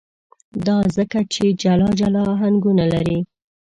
دا ځکه چې جلا جلا آهنګونه لري.